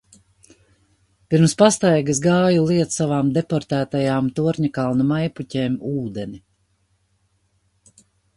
Pirms pastaigas gāju liet savām deportētajām Torņakalna maijpuķēm ūdeni.